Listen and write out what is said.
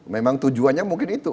memang tujuannya mungkin itu